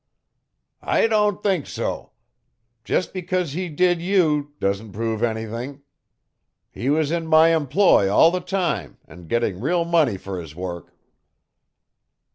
"I don't think so. Just because he did you, doesn't prove anything. He was in my employ all the time, and getting real money for his work."